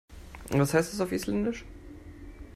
Was heißt das auf Isländisch?